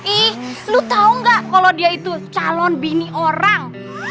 ih lu tahu nggak kalau dia itu calon bini orang